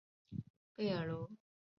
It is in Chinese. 贝尔卢。